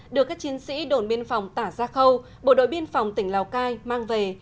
được các chiến sĩ đồn biên phòng tả gia khâu bộ đội biên phòng tỉnh lào cai mang về